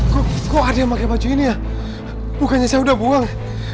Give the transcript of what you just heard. kok kok ada yang pakai baju ini ya bukannya saya udah buang